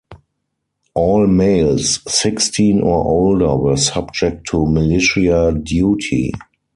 All males sixteen or older were subject to militia duty.